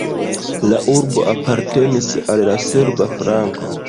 La urbo apartenis al la serba flanko.